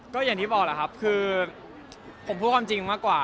ก็อย่างที่บอกแหละครับคือผมพูดความจริงมากกว่า